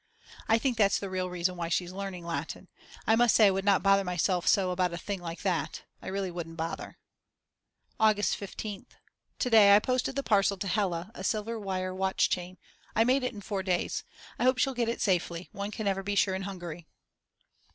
I think that's the real reason why she's learning Latin. I must say I would not bother myself so about a thing like that. I really wouldn't bother. August 15th. To day I posted the parcel to Hella, a silver wire watchchain; I made it in four days. I hope she'll get it safely, one can never be sure in Hungary.